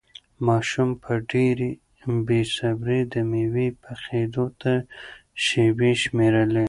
ماشوم په ډېرې بې صبري د مېوې پخېدو ته شېبې شمېرلې.